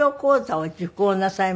はい。